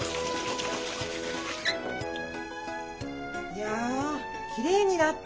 いやきれいになった。